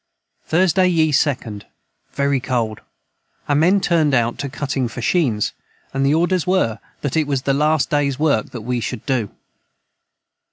Thursday ye 2nd. Very cold our men turned out to cutting fashheens & the orders were that it was the last days work that we should do.